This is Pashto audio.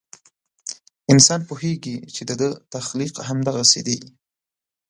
انسان پوهېږي چې د ده تخلیق همدغسې دی.